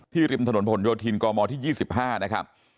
ริมถนนผลโยธินกมที่๒๕นะครับ